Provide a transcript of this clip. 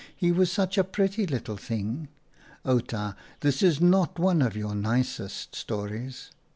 He was such a pretty little thing. Outa, this is not one of your nicest stories."